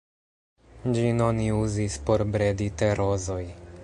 Ĝin oni uzis por bredi te-rozoj.